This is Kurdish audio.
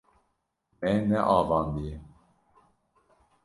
Me neavandiye.